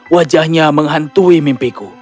wajahnya menghantui mimpiku